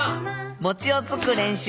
餅をつく練習。